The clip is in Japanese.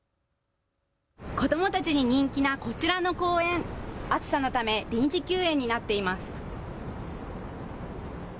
子どもたちに人気なこちらの公園、暑さのため臨時休園になっています。